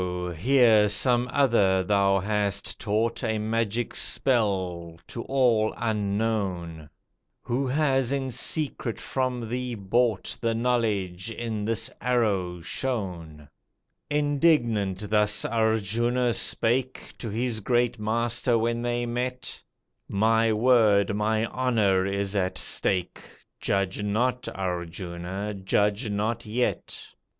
here, some other thou hast taught A magic spell, to all unknown; Who has in secret from thee bought The knowledge, in this arrow shown!" Indignant thus Arjuna spake To his great Master when they met "My word, my honour, is at stake, Judge not, Arjuna, judge not yet.